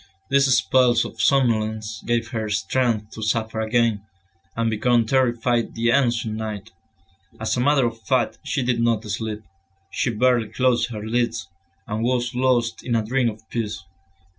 These spells of somnolence gave her strength to suffer again, and become terrified the ensuing night. As a matter of fact she did not sleep, she barely closed her lids, and was lost in a dream of peace.